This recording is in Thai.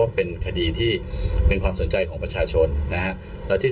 เป็นคดีที่เป็นความสนใจของประชาชนนะฮะแล้วที่